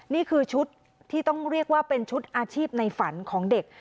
นี่คือชุดที่ต้องเรียกว่าเป็นชุดอาชีพในฝันของเด็ก